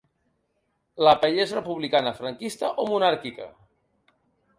La paella és republicana, franquista o monàrquica?